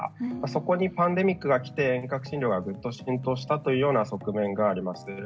そこにパンデミックが来て遠隔診療がぐっと浸透したというような側面があります。